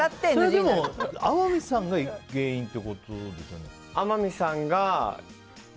それはでも、天海さんが原因ってことですよね？